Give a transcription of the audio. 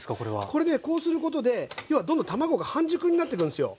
これねこうすることで要はどんどん卵が半熟になってくんすよ。